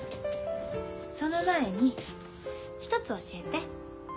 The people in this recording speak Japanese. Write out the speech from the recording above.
その前に１つ教えて。